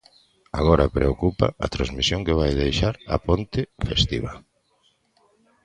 Agora preocupa a transmisión que vai deixar a ponte festiva.